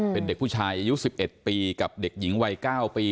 เป็นเด็กผู้ชายอายุ๑๑ปีกับเด็กหญิงวัย๙ปี